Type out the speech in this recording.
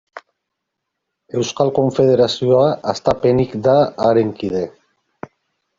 Euskal Konfederazioa hastapenetik da haren kide.